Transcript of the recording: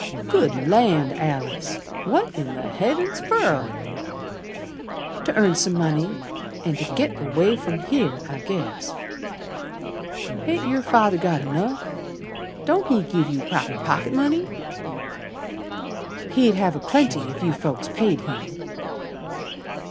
"Good Land, Alice, What in the Heavens fer!" "To earn some money, And to git away from here, I guess." "Ain't yer Father got enough? Don't he give yer proper pocket money?" "He'd have a plenty, if you folks paid him."